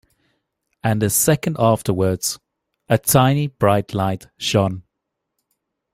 And a second afterwards, a tiny bright light shone.